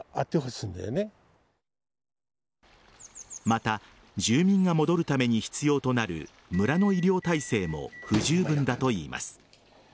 また住民が戻るために必要となる村の医療体制も不十分だといいます。